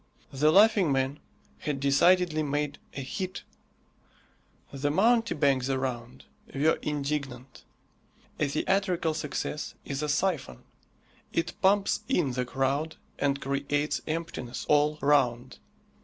The Laughing Man had decidedly made a hit. The mountebanks around were indignant. A theatrical success is a syphon it pumps in the crowd and creates emptiness all round.